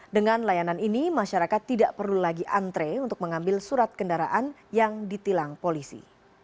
dengan layanan ini masyarakat tidak perlu lagi antre untuk mengambil surat kendaraan yang ditilang polisi